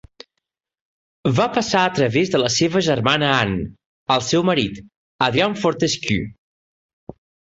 Va passar a través de la seva germana, Anne, al seu marit, Adrian Fortescue.